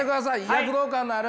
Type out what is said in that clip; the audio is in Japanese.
躍動感のある！